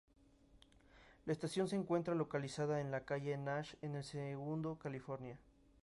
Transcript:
La estación se encuentra localizada en la Calle Nash en El Segundo, California.